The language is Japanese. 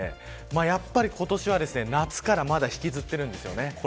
やっぱり今年は夏をまだ引きずっているんですね。